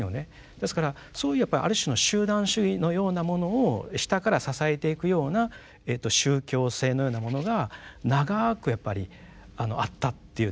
ですからそういうやっぱある種の集団主義のようなものを下から支えていくような宗教性のようなものが長くやっぱりあったっていうですね